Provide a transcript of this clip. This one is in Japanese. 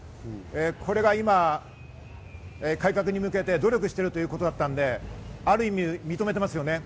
これが今、改革に向けて努力してるということだったので、ある意味、認めてますね。